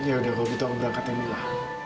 ya udah aku butuh aku berangkatin mila